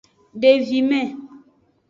Devime.